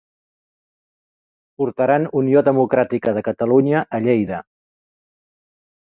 Portaran Unió Democràtica de Catalunya a Lleida.